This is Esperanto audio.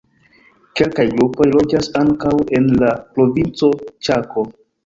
Kelkaj grupoj loĝas ankaŭ en la provinco Ĉako.